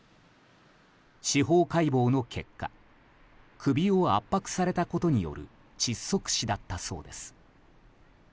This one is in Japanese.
司法解剖の結果首を圧迫されたことによる窒息死だったそうです。